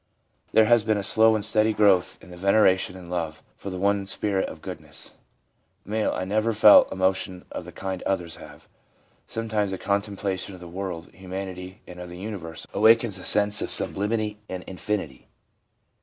There has been a slow and steady growth in veneration and love for the one Spirit of Goodness/ M. * I never felt emotion of the kind others have. Sometimes a contemplation of the world, of humanity, and of the universe, awakens a sense of sublimity and infinity.